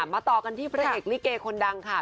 ต่อกันที่พระเอกลิเกคนดังค่ะ